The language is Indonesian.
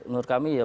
menurut kami ya